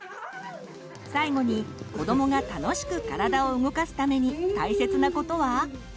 最後に子どもが楽しく体を動かすために大切なことは？